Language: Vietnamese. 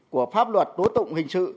của pháp luật tố tổng hình sử